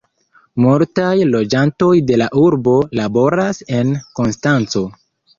Multaj loĝantoj de la urbo laboras en Konstanco.